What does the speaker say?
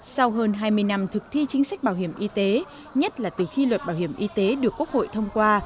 sau hơn hai mươi năm thực thi chính sách bảo hiểm y tế nhất là từ khi luật bảo hiểm y tế được quốc hội thông qua